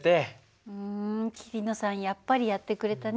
うん桐野さんやっぱりやってくれたね。